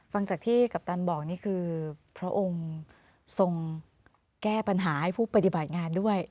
ฟังจากที่กัปตันบอกนี่คือพระองค์ทรงแก้ปัญหาให้ผู้ปฏิบัติงานด้วย